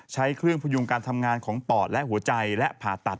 ใช้เครื่องพยุงการทำงานของปอดและหัวใจและผ่าตัด